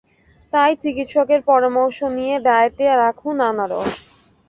তাই চিকিৎসকের পরামর্শ নিয়ে ডায়েটে রাখুন আনারস।